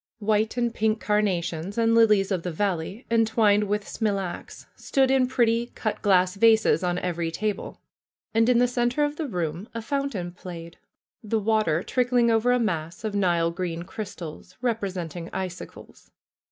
White and pink carnations and lilies of the valley, entwined with smilax, stood in pretty cut glass vases on every table. And in the center of the room a fountain played, the water trickling over a mass of nile green crystals, representing icicles.